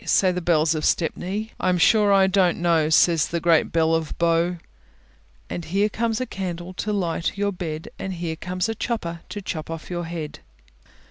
Say the bells of Stepney. I am sure I don't know, Says the great bell of Bow. _Here comes a candle to light you to bed, And here comes a chopper to chop off your head.